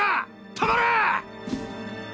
止まれ！